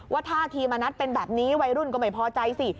ท่าทีมณัฐเป็นแบบนี้วัยรุ่นก็ไม่พอใจสิ